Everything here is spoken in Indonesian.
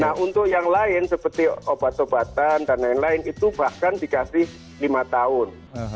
nah untuk yang lain seperti obat obatan dan lain lain itu bahkan dikasih lima tahun